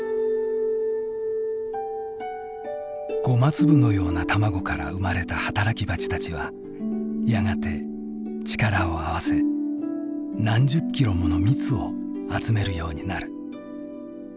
ごま粒のような卵から産まれた働き蜂たちはやがて力を合わせ何十キロもの蜜を集めるようになる。